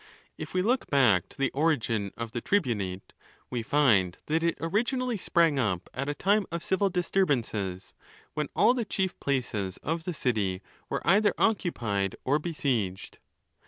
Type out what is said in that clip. If we look back to the origin of the tribunate, we find that it originally sprang up at a time of civil disturbances, when all the chief places of. the city were either occupied or besieged.